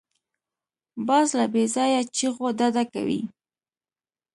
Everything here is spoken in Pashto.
باز له بېځایه چیغو ډډه کوي